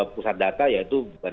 pusat data yaitu